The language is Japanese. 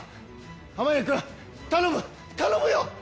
濱家君、頼む、頼むよ。